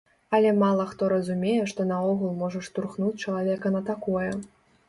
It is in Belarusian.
Але мала хто разумее што наогул можа штурхнуць чалавека на такое.